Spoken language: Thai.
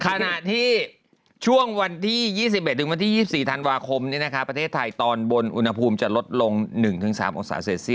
ขณะที่ช่วงวันที่๒๑๒๔ธันวาคมนี้นะคะประเทศไทยตอนบนอุณหภูมิจะลดลง๑๓อักษาเศรษฐ์